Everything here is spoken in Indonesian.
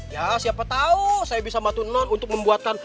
ya siapa tahu saya bisa bantu non untuk membuatkan